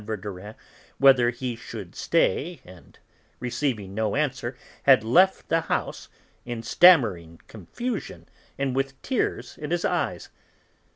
Verdurin whether he should stay and receiving no answer, had left the house in stammering confusion and with tears in his eyes.